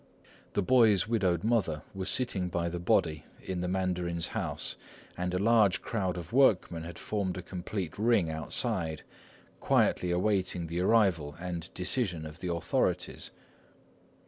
The boy's widowed mother was sitting by the body in the mandarin's house, and a large crowd of workmen had formed a complete ring outside, quietly awaiting the arrival and decision of the authorities.